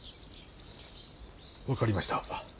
分かりました。